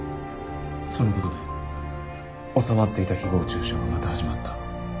そのことで収まっていた誹謗中傷がまた始まった。